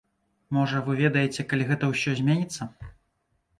Можа, вы ведаеце, калі гэта ўсё зменіцца?